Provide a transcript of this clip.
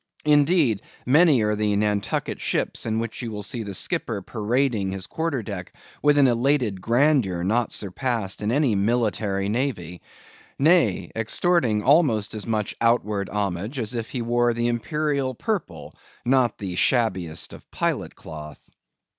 Indeed, many are the Nantucket ships in which you will see the skipper parading his quarter deck with an elated grandeur not surpassed in any military navy; nay, extorting almost as much outward homage as if he wore the imperial purple, and not the shabbiest of pilot cloth.